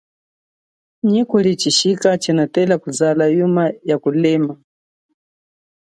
Nyi kuli chishika chinatela kuzala yuma ya kulema.